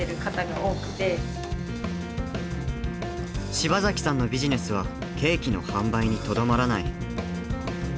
柴崎さんのビジネスはケーキの販売にとどまらない。